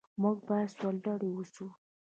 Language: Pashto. موږ باید سرلوړي اوسو.